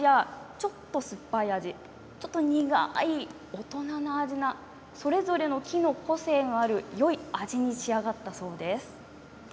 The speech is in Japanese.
ちょっと苦い大人の味それぞれの木の個性のあるよい味に仕上がったそうです。